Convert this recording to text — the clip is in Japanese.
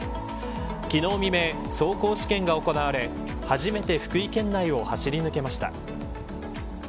昨日未明、走行試験が行われ初めて福井県内を走り抜けました。